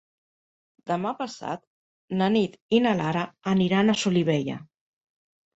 Demà passat na Nit i na Lara aniran a Solivella.